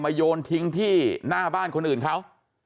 โยนทิ้งที่หน้าบ้านคนอื่นเขา